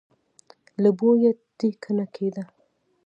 له بويه ټېکه نه کېده.